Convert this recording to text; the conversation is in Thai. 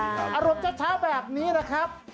อารมณ์เช้าแบบนี้นะครับ